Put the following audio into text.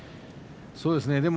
そうですね。